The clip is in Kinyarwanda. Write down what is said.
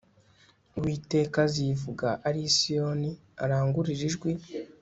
uwiteka azivuga ari i siyoni arangurure ijwi